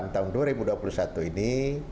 tahun dua ribu dua puluh satu ini